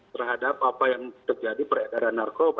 terhadap apa yang terjadi peredaran narkoba